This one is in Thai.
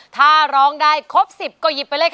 ถ้าร้องได้ครบ๑๐ก็หยิบไปเลยค่ะ